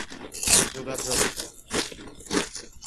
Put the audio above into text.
যোগাযোগ